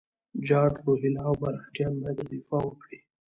جاټ، روهیله او مرهټیان باید دفاع وکړي.